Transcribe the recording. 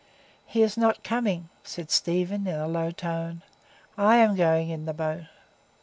"He is not coming," said Stephen, in a low tone. "I am going in the boat."